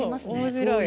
面白い。